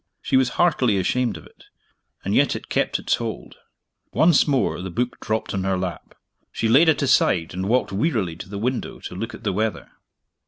She was heartily ashamed of it and yet it kept its hold. Once more the book dropped on her lap. She laid it aside, and walked wearily to the window to look at the weather.